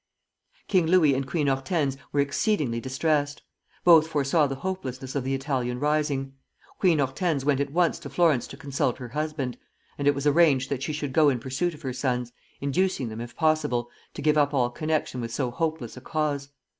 King Louis and Queen Hortense were exceedingly distressed; both foresaw the hopelessness of the Italian rising. Queen Hortense went at once to Florence to consult her husband, and it was arranged that she should go in pursuit of her sons, inducing them, if possible, to give up all connection with so hopeless a cause.